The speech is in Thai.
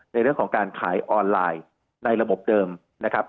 ในเรื่องของการขายออนไลน์ในระบบเดิมนะครับ